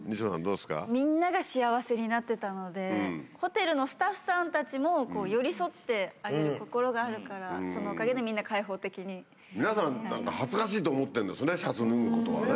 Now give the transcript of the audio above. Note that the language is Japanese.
みんなが幸せになってたので、ホテルのスタッフさんたちも寄り添ってあげる心があるから、皆さん、なんか恥ずかしいと思ってるんですね、シャツ脱ぐことがね。